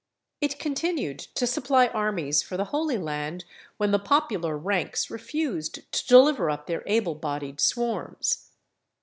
It continued to supply armies for the Holy Land when the popular ranks refused to deliver up their able bodied swarms.